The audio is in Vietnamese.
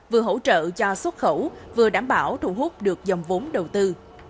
vừa hỗ trợ cho xuất khẩu vừa đảm bảo thu hút được dòng vốn đầu tư